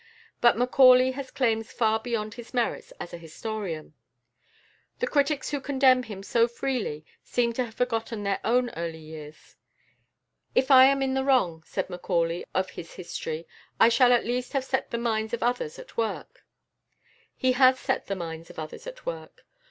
But Macaulay has claims far beyond his merits as a historian. The critics who condemn him so freely seem to have forgotten their own early years. "If I am in the wrong," said Macaulay of his history, "I shall at least have set the minds of others at work." He has set the minds of others at work.